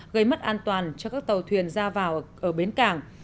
gây mất an toàn cho các tàu thuyền ra vào ở bến cảng